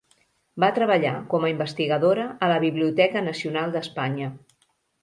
Va treballar com a investigadora a la Biblioteca Nacional d'Espanya.